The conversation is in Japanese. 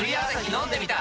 飲んでみた！